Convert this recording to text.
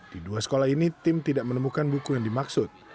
di dua sekolah ini tim tidak menemukan buku yang dimaksud